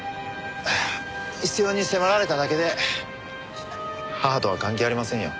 必要に迫られただけで母とは関係ありませんよ。